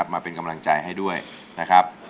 มาเป็นกำลังใจให้ด้วยนะครับ